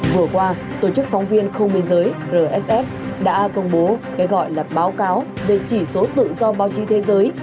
vừa qua tổ chức phóng viên không biên giới rsf đã công bố cái gọi là báo cáo về chỉ số tự do báo chí thế giới